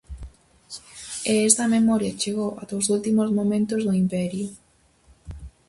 E esa memoria chegou ata os últimos momentos do Imperio.